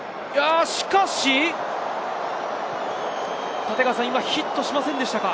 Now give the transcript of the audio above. しかし、ヒットしませんでしたか？